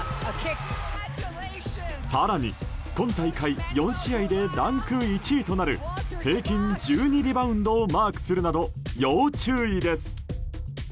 更に、今大会４試合でランク１位となる平均１２リバウンドをマークするなど、要注意です。